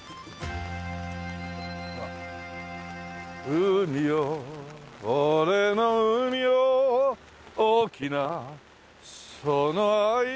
「海よ俺の海よ大きなその愛よ」